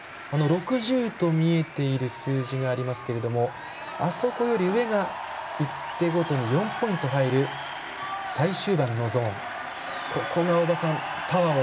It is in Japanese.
６０と見えている数字がありますけどもあそこより上が１手ごとに４ポイント入る最終盤のゾーン。